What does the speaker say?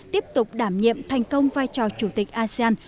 tiếp tục đảm nhiệm thành công vai trò chủ tịch asean